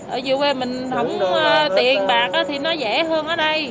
ở dự quê mình không tiền bạc thì nó dễ hơn ở đây